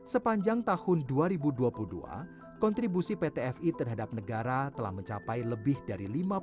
sepanjang tahun dua ribu dua puluh dua kontribusi pt fi terhadap negara telah mencapai lebih dari